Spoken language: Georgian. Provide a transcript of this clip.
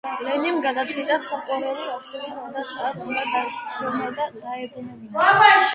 ლენიმ გადაწყვიტა, საყვარელი არსება, რადაც არ უნდა დასჯდომოდა, დაებრუნებინა.